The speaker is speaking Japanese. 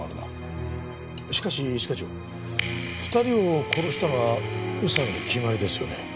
しかし一課長２人を殺したのは宇佐美で決まりですよね？